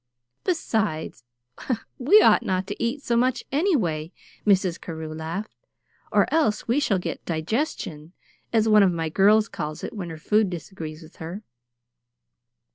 "Besides, we ought not to eat so much, anyway," Mrs. Carew laughed, "or else we shall get 'digestion,' as one of my girls calls it when her food disagrees with her."